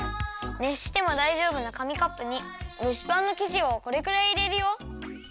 ねっしてもだいじょうぶなかみカップに蒸しパンのきじをこれくらいいれるよ。